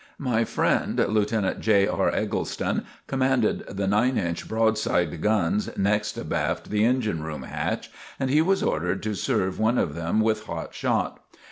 My friend Lieutenant J. R. Eggleston commanded the nine inch broadside guns next abaft the engine room hatch, and he was ordered to serve one of them with hot shot.